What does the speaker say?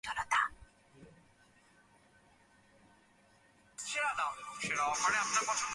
উহা মনে আঘাত করে, মনও পুস্তকরূপে প্রতিক্রিয়া করে।